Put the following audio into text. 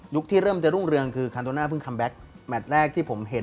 ยุคที่เริ่มจะรุ่งเรือนคือคันโตน่าเมตรแรกที่ผมเห็น